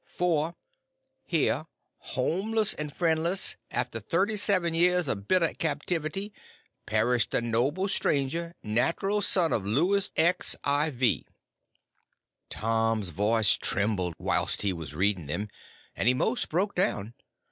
_ 4. _Here, homeless and friendless, after thirty seven years of bitter captivity, perished a noble stranger, natural son of Louis XIV._ Tom's voice trembled whilst he was reading them, and he most broke down.